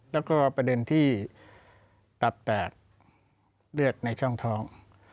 แล้วก็ประเด็นที่ตับแตกเลือดในช่องท้อง